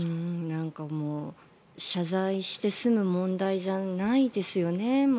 なんか、もう謝罪して済む問題じゃないですよね。